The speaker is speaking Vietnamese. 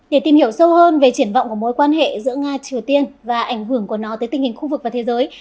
để tìm hiểu sâu hơn về triển vọng của mối quan hệ giữa nga triều tiên và ảnh hưởng của nó tới tình hình khu vực và thế giới